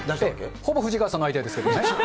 ほぼ藤川さんのアイデアですけどね。